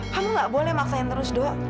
kamu nggak boleh maksain terus dok